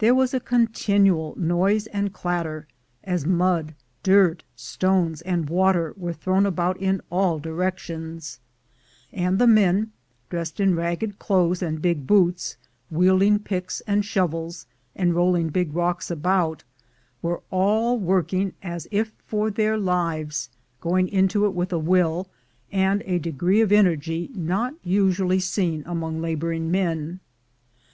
There was a continual noise and clatter, as mud, dirt, stones, and water were thrown about in all directions; and the men, dressed in ragged clothes and big boots, wielding picks and shovels, and rolling big rocks about, were all working as if for their lives, going into it with a will, and a degree of energy, not usually seen among laboring men.